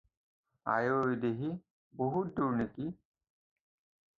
আইও দেহি, বহুত দূৰ নেকি?